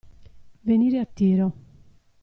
Venire a tiro.